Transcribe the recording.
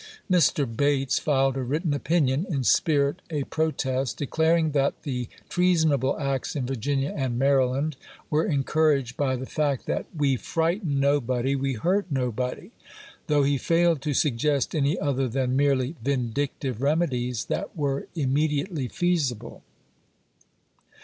Mr. Bates filed a written opinion — in spirit a protest — declaring that the treasonable acts in Virginia and Maryland were encouraged by the fact that "we frighten nobody, we hurt nobody"; though he failed to suggest any other than merely vindictive remedies that were imme diately feasible.